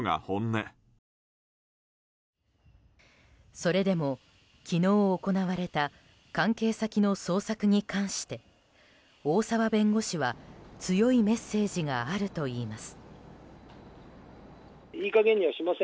それでも、昨日行われた関係先の捜索に関して大澤弁護士は、強いメッセージがあるといいます。